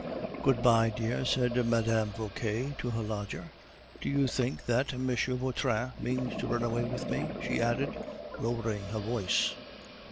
"Good bye, dear," said Mme. Vauquer to her lodger. "Do you think that M. Vautrin means to run away with me?" she added, lowering her voice.